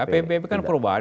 apbnp kan perubahan